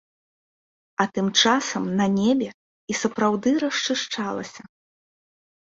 А тым часам на небе і сапраўды расчышчалася.